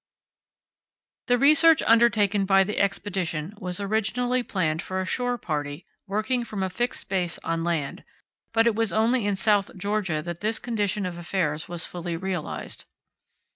The research undertaken by the Expedition was originally planned for a shore party working from a fixed base on land, but it was only in South Georgia that this condition of affairs was fully realized.